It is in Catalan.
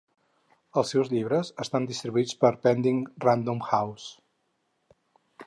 Els seus llibres estan distribuïts per Penguin Random House.